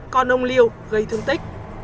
còn ông liêu gây thương tích